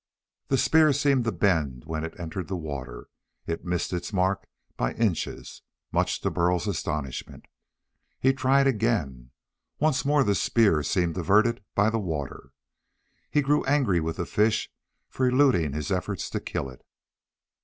The spear seemed to bend when it entered the water. It missed its mark by inches, much to Burl's astonishment. He tried again. Once more the spear seemed diverted by the water. He grew angry with the fish for eluding his efforts to kill it.